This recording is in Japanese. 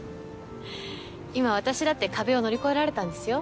今私だって壁を乗り越えられたんですよ。